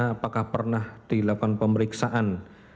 apakah pernah dilakukan pemeriksaan